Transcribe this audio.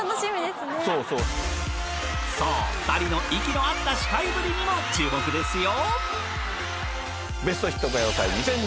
そう２人の息のあった司会ぶりにも注目ですよ